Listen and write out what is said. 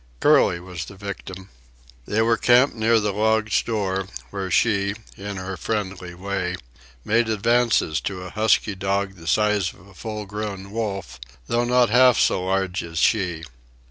Curly was the victim. They were camped near the log store, where she, in her friendly way, made advances to a husky dog the size of a full grown wolf, though not half so large as she.